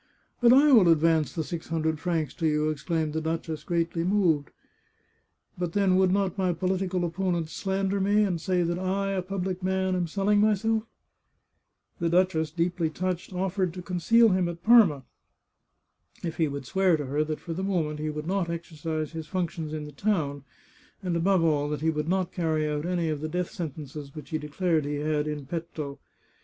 " But I will advance the six hundred francs to you,'* exclaimed the duchess, greatly moved. " But, then, would not my political opponents slander me, and say that I, a public man, am selling myself ?" 389 The Chartreuse of Parma The duchess, deeply touched, oflfered to conceal him at Parma if he would swear to her that for the moment he would not exercise his functions in the town, and above all that he would not carry out any of the death sentences which he declared he had in petto.